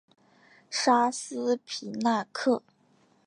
沙斯皮纳克。